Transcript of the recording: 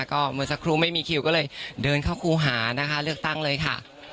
ก็เมื่อสักครู่ไม่มีคิวก็เลยเดินเข้าครูหานะคะเลือกตั้งเลยค่ะ